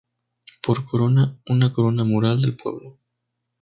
Por corona, una corona mural de pueblo.